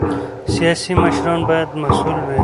سیاسي مشران باید مسؤل وي